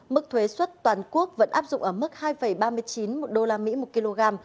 mức thuế xuất toàn quốc vẫn áp dụng ở mức hai ba mươi chín một usd một kg